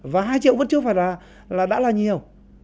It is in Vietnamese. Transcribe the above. và hai triệu vẫn chưa phải là đã là nhiều